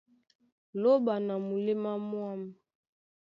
Lóɓa na muléma mwâm.